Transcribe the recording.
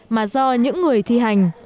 mà do những người thi hành